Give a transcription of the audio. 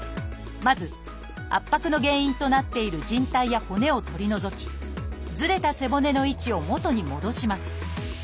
まず圧迫の原因となっているじん帯や骨を取り除きずれた背骨の位置を元に戻します。